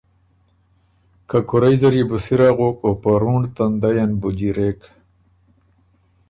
که کُورئ زر يې بو سِر اغوک او په رُونړ تندئ ان بُو جیرېک۔